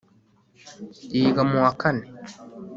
yiga mu wa kane